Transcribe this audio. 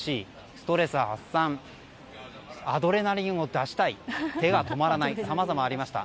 ストレス発散アドレナリンを出したい手が止まらないさまざまありました。